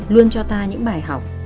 luôn cho ta những bài học